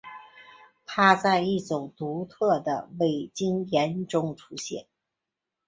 它在一种独特的伟晶岩中出现。